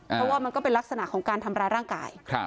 เพราะว่ามันก็เป็นลักษณะของการทำร้ายร่างกาย